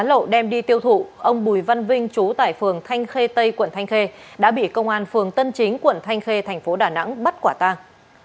bán lậu đem đi tiêu thụ ông bùi văn vinh trú tại phường thanh khê tây quận thanh khê đã bị công an phường tân chính quận thanh khê tp đà nẵng bắt quả tăng